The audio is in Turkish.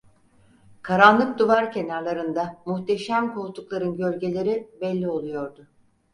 Karanlık duvar kenarlarında muhteşem koltukların gölgeleri belli oluyordu.